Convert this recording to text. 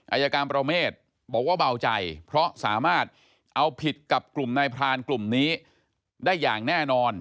อายการประเมฆบอกว่าเบาใจเพราะสามารถเอาผิดกับกลุ่มนายพรานกลุ่มนี้ได้อย่างแน่นอน